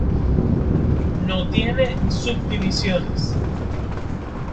No tiene subdivisiones.